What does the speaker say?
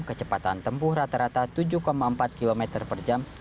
kecepatan tempuh rata rata tujuh empat km per jam